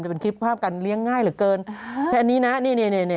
เป็นคลิปภาพการเลี้ยงง่ายเหลือเกินแค่อันนี้นะนี่นี่